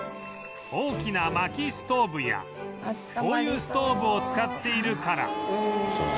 大きな薪ストーブや灯油ストーブを使っているから